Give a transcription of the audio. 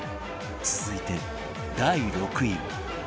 続いて第６位は